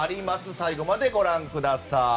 最後までご覧ください。